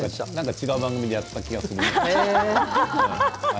違う番組でやっていたような気がする。